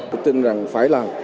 tôi tin rằng phải làm